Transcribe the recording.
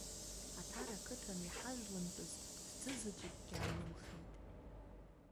Аҭара ақыҭан иҳажәлантәыз ҭӡы заҵәыкгьы аанымхеит.